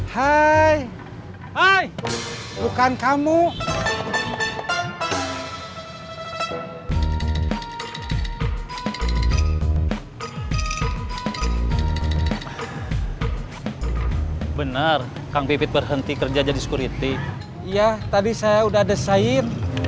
hai hai bukan kamu benar kang pipit berhenti kerja jadi security ya tadi saya udah desain